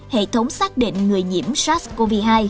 hệ thống xác định người nhiễm sars cov hai